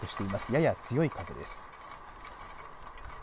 やや強い風です。